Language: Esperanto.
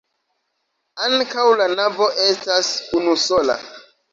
Ankaŭ la navo estas unusola.